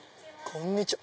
こんにちは。